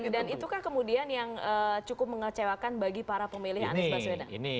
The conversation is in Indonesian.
dan itukah kemudian yang cukup mengecewakan bagi para pemilih anis baswedan